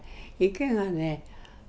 池がね